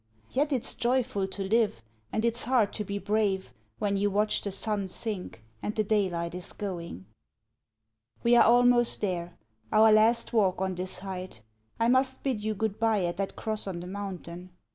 Yet it's joyful to live, and it's hard to be brave When you watch the sun sink and the daylight is going." We are almost there our last walk on this height I must bid you good bye at that cross on the mountain.